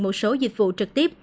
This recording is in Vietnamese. một số dịch vụ trực tiếp